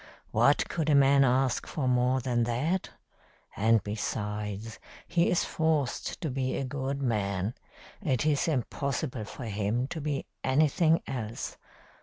What could a man ask for more than that? And besides, he is forced to be a good man. It is impossible for him to be anything else.